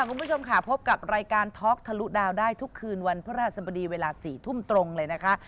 คุณผู้ชมค่ะพบกับรายการท็อกทะลุดาวได้ทุกคืนวันพระราชสมดีเวลา๔ทุ่มตรงเลยนะคะ